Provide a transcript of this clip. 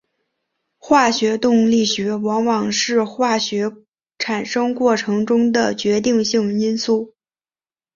化学动力学往往是化工生产过程中的决定性因素。